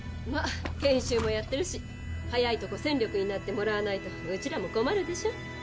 まあ研修もやってるし早いとこ戦力になってもらわないとうちらも困るでしょ。